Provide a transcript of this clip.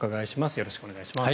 よろしくお願いします。